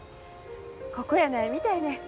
ここやないみたいね。